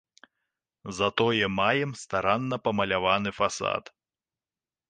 Затое маем старанна памаляваны фасад.